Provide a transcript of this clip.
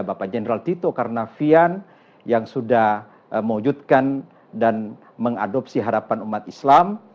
bapak jenderal tito karnavian yang sudah mewujudkan dan mengadopsi harapan umat islam